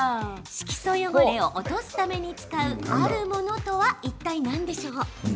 色素汚れを落とすために使うあるものとはいったい何でしょう？